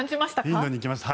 インドに行きました。